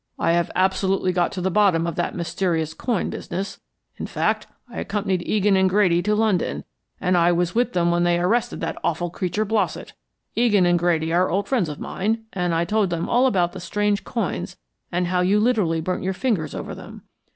"I have absolutely got to the bottom of that mysterious coin business. In fact, I accompanied Egan and Grady to London, and I was with them when they arrested that awful creature, Blossett. Egan and Grady are old friends of mine, and I told them all about the strange coins and how you literally burnt your fingers over them.